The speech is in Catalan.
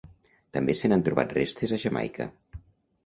També se n'han trobat restes a Jamaica.